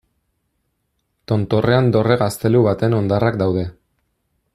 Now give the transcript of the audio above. Tontorrean dorre-gaztelu baten hondarrak daude.